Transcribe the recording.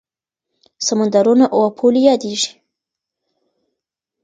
سمندرونه او پولې یادېږي.